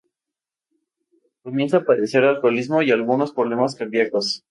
Comienza a padecer de alcoholismo y algunos problemas cardíacos.